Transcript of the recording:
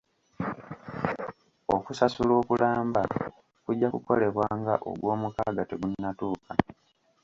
Okusasula okulamba kujja kukolebwa nga ogwomukaaga tegunnatuuka.